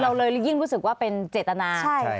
เราเลยยิ่งรู้สึกว่าเป็นเจตนา